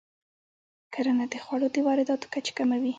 کرنه د خوړو د وارداتو کچه کموي.